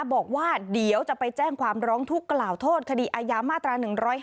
บอกว่าเดี๋ยวจะไปแจ้งความร้องทุกข์กล่าวโทษคดีอายามาตรา๑๕